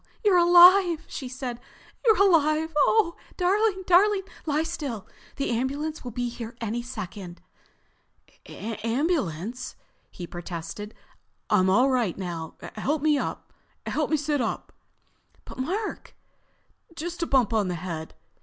"You're alive!" she said. "You're alive! Oh, darling, darling, lie still, the ambulance will be here any second." "Ambulance?" he protested. "I'm all right now. Help me—sit up." "But Mark——" "Just a bump on the head."